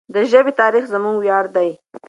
د ژبې تاریخ زموږ ویاړ دی.